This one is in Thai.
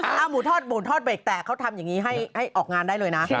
ถ้าหมูทอดหมูทอดเบรกแตกเขาทำอย่างนี้ให้ออกงานได้เลยนะ